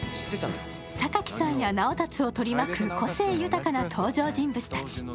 榊さんや直達を取り巻く個性豊かな登場人物たち。